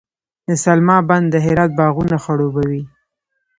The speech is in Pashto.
د سلما بند د هرات باغونه خړوبوي.